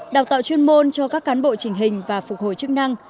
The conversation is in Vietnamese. đào tạo chuyên môn cho các cán bộ trình hình và phục hồi chức năng